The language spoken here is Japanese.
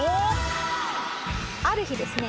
ある日ですね